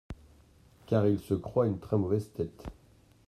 Car il se croit une très mauvaise tête.